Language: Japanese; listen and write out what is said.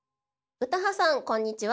・詩羽さんこんにちは。